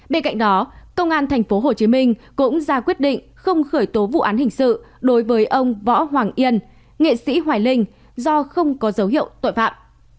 bên cạnh đó công an tp hcm cũng ra quyết định không khởi tố vụ án hình sự đối với ông võ hoàng yên nghệ sĩ hoài linh do không có dấu hiệu tội phạm